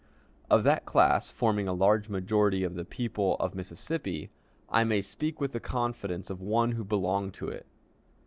Of that class, forming a large majority of the people of Mississippi, I may speak with the confidence of one who belonged to it.